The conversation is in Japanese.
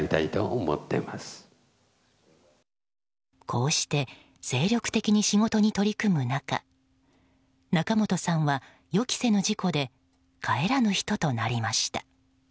こうして精力的に仕事に取り組む中仲本さんは、予期せぬ事故で帰らぬ人となりました。